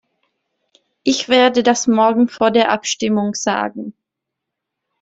Ich werde das morgen vor der Abstimmung sagen.